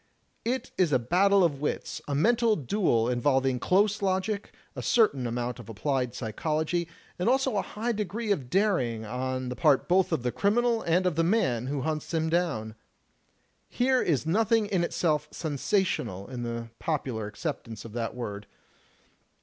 It is a battle of wits, a mental duel, involving close logic, a certain amount of applied psychology, and also a high degree of daring on the part both of the criminal and of the man who himts him down. Here is nothing in itself 'sensational' in the popular acceptance of that word.